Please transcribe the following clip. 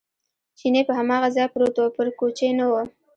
چیني په هماغه ځای پروت و، پر کوچې نه و.